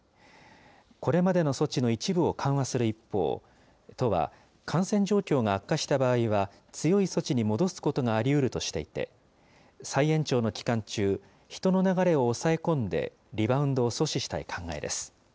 これまでの措置の一部を緩和する一方、都は、感染状況が悪化した場合は、強い措置に戻すことがありうるとしていて、再延長の期間中、人の流れを抑え込んで、リバウンドを阻止したい考えです。